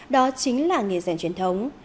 đó chính là nghề giản truyền thống